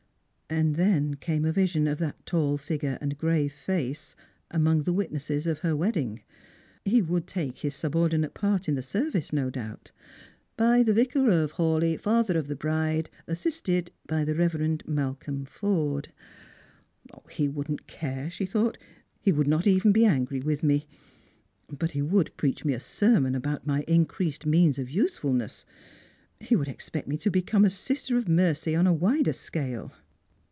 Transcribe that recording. And then came a vi.sion of that tall figure and grave face among the witnesses of her wedding. He would take his sub ordinate part in the service, no doubt ;" by the Vicar of Haw leigh, father of the bride, assisted by the Reverend Malcolm Forde." SlrangerB and Pilgrinig. 127 " He would not care," she thought ;" he would not even be angry with me. But he would preach me a sermon about my increa»;d means of usefulness; he would expect me to become ». sister of mercy on a wider scale."